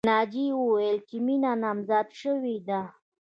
ناجیې وویل چې مینه نامزاده شوې ده